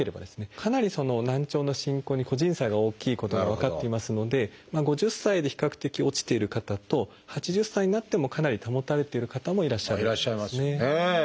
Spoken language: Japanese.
かなり難聴の進行に個人差が大きいことが分かっていますので５０歳で比較的落ちている方と８０歳になってもかなり保たれている方もいらっしゃるということですね。